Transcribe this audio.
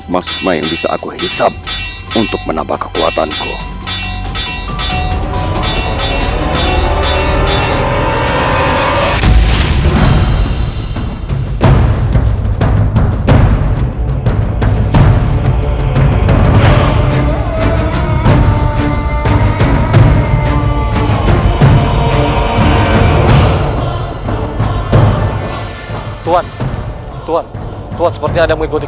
maksudnya yang bisa aku hisap untuk menambah kekuatanku tuan tuan tuan seperti ada memikirkan